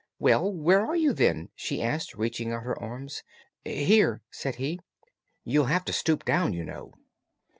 "Well, where are you, then?" she asked, reaching out her arms. "Here," said he. "You'll have to stoop down, you know."